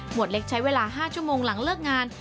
วดเล็กใช้เวลา๕ชั่วโมงหลังเลิกงาน